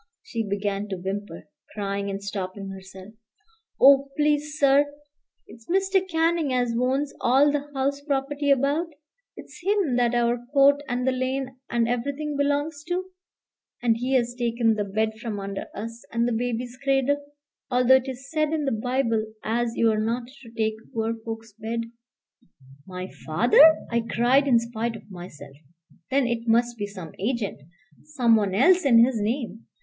She began to whimper, crying and stopping herself. "Oh, please, sir! it's Mr. Canning as owns all the house property about; it's him that our court and the lane and everything belongs to. And he's taken the bed from under us, and the baby's cradle, although it's said in the Bible as you're not to take poor folks' bed." "My father!" I cried in spite of myself; "then it must be some agent, some one else in his name.